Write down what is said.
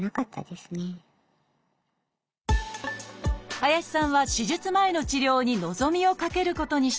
林さんは手術前の治療に望みをかけることにしたのです。